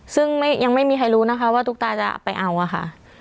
ซึ่งยังไม่มีใครรู้นะคะว่าตุ๊กตาจะไปเอาอะค่ะ